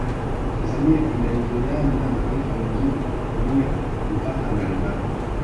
Tanzania inaingiliana na mataifa mengine kwa kutumia mipaka mbalimbali